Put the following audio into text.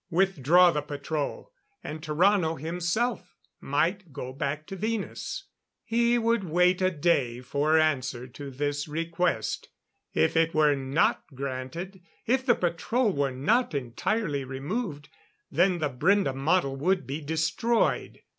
Withdraw the patrol, and Tarrano himself might go back to Venus. He would wait a day for answer to this request; and if it were not granted if the patrol were not entirely removed then the Brende model would be destroyed.